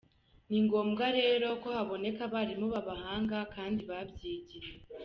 Ni ngombwa rero ko haboneka abarimu b’abahanga kandi babyigiye”.